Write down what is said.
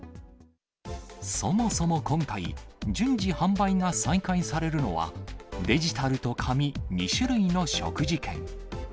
そもそも今回、順次販売が再開されるのは、デジタルと紙２種類の食事券。